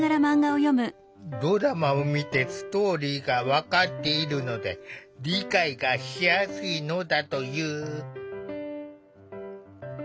ドラマを見てストーリーが分かっているので理解がしやすいのだという。